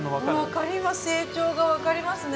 分かります成長が分かりますね。